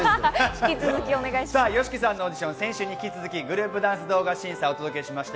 ＹＯＳＨＩＫＩさんのオーディション、先週に引き続きグループダンス動画審査をお届けしました。